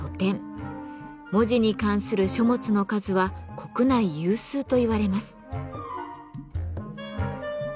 文字に関する書物の数は国内有数といわれます。